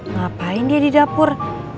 ngapain dia di dapur